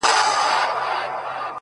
هغه وايي يو درد مي د وزير پر مخ گنډلی،